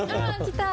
来た！